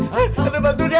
hantu badut ya